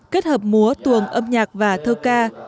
kết hợp múa tuồng âm nhạc và thơ ca